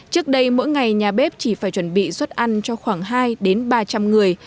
trước đây mỗi ngày nhà bếp chỉ phải chuẩn bị xuất ăn cho khoảng hai đến ba trăm linh người